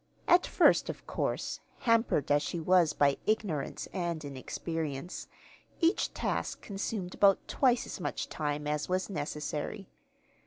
At first, of course, hampered as she was by ignorance and inexperience, each task consumed about twice as much time as was necessary.